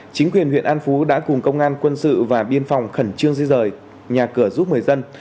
chính quyền huyện an phú đã cùng công an quân sự và biên phòng khẩn trương di rời nhà cửa giúp người dân